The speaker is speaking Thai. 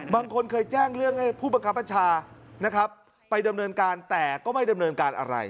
บางคนเคยแจ้งเรื่องให้ผู้บังคับประชานะครับไปดำเนินการแต่ก็ไม่ดำเนินการอะไร